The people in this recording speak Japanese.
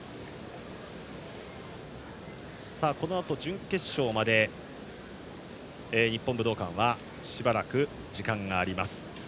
このあと準決勝まで日本武道館はしばらく時間があります。